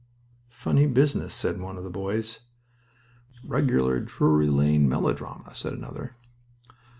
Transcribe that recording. "Funny business!" said one of the boys. "Regular Drury Lane melodrama," said another.